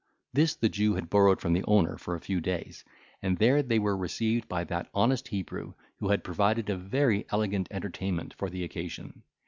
This the Jew had borrowed from the owner for a few days, and there they were received by that honest Hebrew, who had provided a very elegant entertainment for the occasion.